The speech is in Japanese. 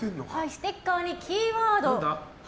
ステッカーにキーワード